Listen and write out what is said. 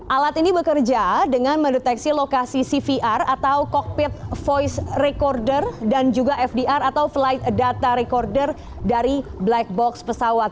alat ini bekerja dengan mendeteksi lokasi cvr atau cockpit voice recorder dan juga fdr atau flight data recorder dari black box pesawat